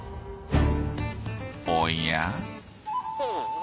おや？